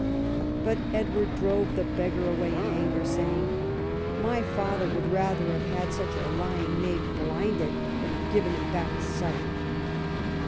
But Edward drove the beggar away in anger, saying, " My father would rather have had such a lying knave blinded than have given him back his sight."